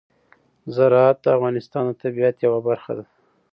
زراعت د افغانستان د طبیعت یوه برخه ده.